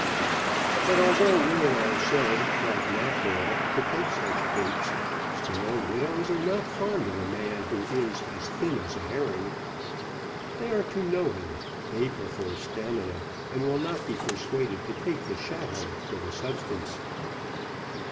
But although women are said, like mackerel, to take such baits, still widows are not fond of a man who is as thin as a herring: they are too knowing, they prefer stamina, and will not be persuaded to take the shadow for the substance.